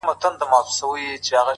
کله مسجد کي گډ يم کله درمسال ته گډ يم!!